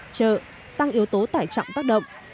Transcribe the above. chợ tăng yếu tố tải trọng tác động